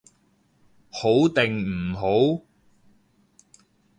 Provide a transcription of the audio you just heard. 好定唔好？